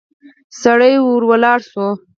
سړی ورو ولاړ شو.